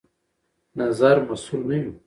نظر مسوول نه يو